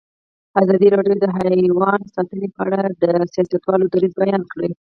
ازادي راډیو د حیوان ساتنه په اړه د سیاستوالو دریځ بیان کړی.